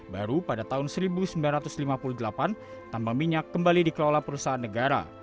baru pada tahun seribu sembilan ratus lima puluh delapan tambang minyak kembali dikelola perusahaan negara